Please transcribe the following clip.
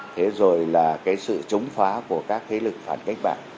thế rồi là sự chống phá của các thế lực phản cách bạn